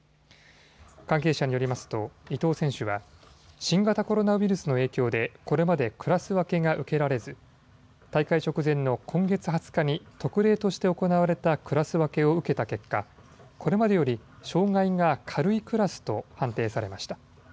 関係者によりますと伊藤選手は新型コロナウイルスの影響でこれまでクラス分けが受けられず大会直前の今月２０日に特例として行われたクラス分けを受けた結果、これまでより障害が軽いクラスと判定されました。